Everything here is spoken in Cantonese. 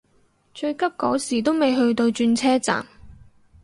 最急嗰時都未去到轉車站